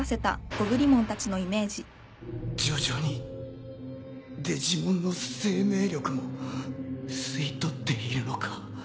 徐々にデジモンの生命力も吸い取っているのか？